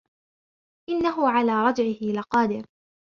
إِنَّهُ عَلَىٰ رَجْعِهِ لَقَادِرٌ